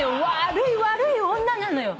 悪い悪い女なのよ。